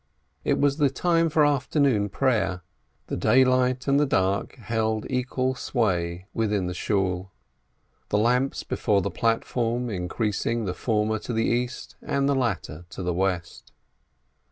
It was the time for Afternoon Prayer, the daylight and the dark held equal sway within the Klaus, the lamps before the platform increasing the former to the east and the latter to the west.